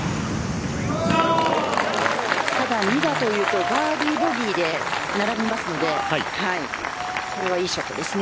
ただ２打というとバーディーボギーで並びますのでこれはいいショットです。